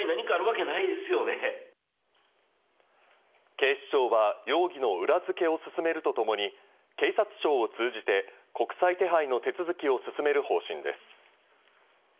警視庁は容疑の裏付けを進めるとともに、警察庁を通じて国際手配の手続きを進める方針です。